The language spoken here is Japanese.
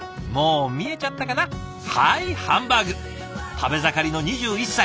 食べ盛りの２１歳。